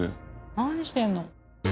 何してるの？